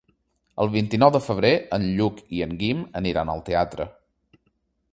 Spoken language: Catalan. El vint-i-nou de febrer en Lluc i en Guim aniran al teatre.